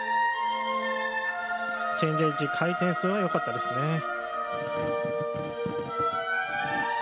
チェンジエッジ回転数はよかったですね。